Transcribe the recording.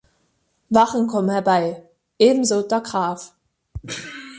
Wachen kommen herbei, ebenso der Graf.